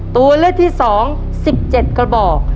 ตัวเลือกที่๒๑๗กระบอก